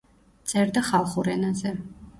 წერდა ხალხურ ენაზე.